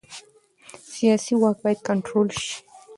سیاسي واک باید کنټرول شي